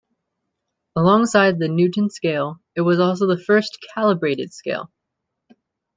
Alongside the Newton scale, it was the first "calibrated" scale.